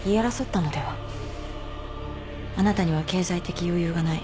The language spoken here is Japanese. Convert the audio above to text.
あなたには経済的余裕がない。